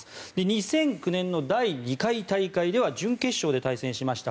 ２００９年の第２回大会では準決勝で対戦しました。